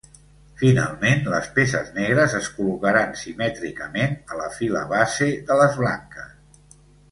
Finalment les peces negres es col·locaran simètricament a la fila base de les blanques.